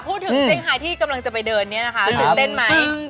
พูดถึงเจ้งหายที่กำลังจะไปเดินเนี่ยนะคะ